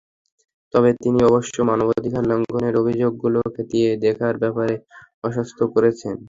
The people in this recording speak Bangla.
তবে তিনি অবশ্য মানবাধিকার লঙ্ঘনের অভিযোগগুলো খতিয়ে দেখার ব্যাপারে আশ্বস্ত করেছেন।